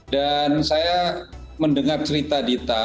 dan saya mendengar cerita dita